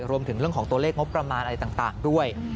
รวมถึงเรื่องของตัวเลขงบประมาณอะไรต่างด้วย